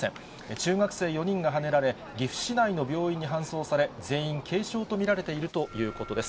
中学生４人がはねられ、岐阜市内の病院に搬送され、全員軽傷と見られているということです。